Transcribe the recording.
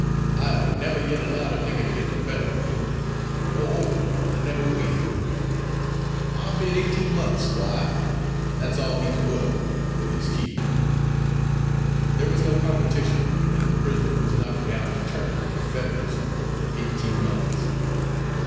I have never yet allowed a nigger to git the better o' me, an', moreover, I never will. I'll bid eighteen months, Squire; an' that's all he's worth, with his keep." There was no competition, and the prisoner was knocked down to Turner, for Fetters, for eighteen months.